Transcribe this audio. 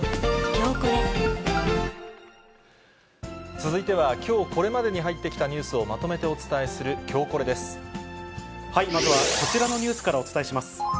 続いては、きょうこれまでに入ってきたニュースをまとめてお伝えするきょうまずはこちらのニュースからお伝えします。